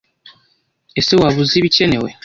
Ese waba uzi ibikenewe